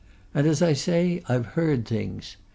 And, as I say, I've heard things.